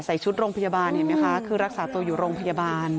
ชุดโรงพยาบาลเห็นไหมคะคือรักษาตัวอยู่โรงพยาบาล